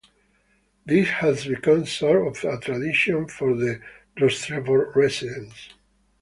This has become sort of a tradition for the Rostrevor residents.